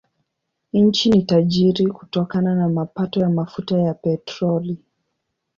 Nchi ni tajiri kutokana na mapato ya mafuta ya petroli.